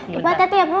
ya lupa datang ya bu